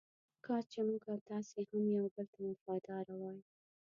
کاش چې موږ او تاسې هم یو بل ته وفاداره وای.